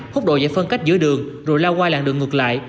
hút độ giải phân cách giữa đường rồi lao qua làng đường ngược lại